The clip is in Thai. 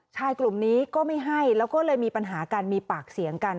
ชายกลุ่มนี้ก็ไม่ให้แล้วก็เลยมีปัญหากันมีปากเสียงกัน